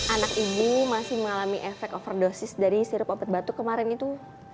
anak ibu masih mengalami efek overdosis dari sirup obat batuk kemarin itu